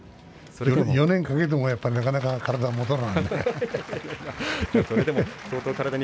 ４年かけてもなかなか体は元に戻らないね。